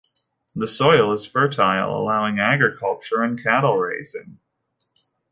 The soil is fertile, allowing agriculture and cattle raising.